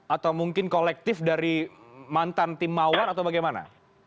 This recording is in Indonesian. atau mungkin kolektif dari mantan tim mawar atau bagaimana